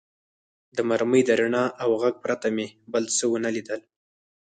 د مرمۍ د رڼا او غږ پرته مې بل څه و نه لیدل.